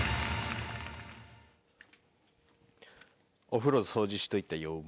お風呂掃除しといたよ。